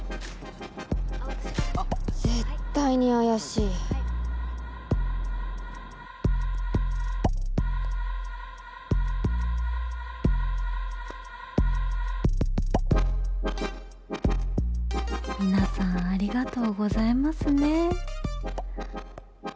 絶対に怪しい皆さんありがとうございますね